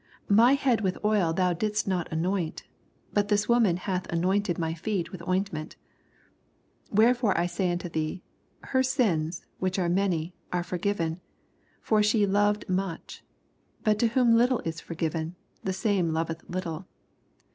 46 My head with oil thou didst not anoint : but this woman hath anointed my feet with ointment. 47 Wherefore I say onto thee^ Her sins, which are many, are forgiven ; for she loved much : but to whom little is forgiven, the same loveth little.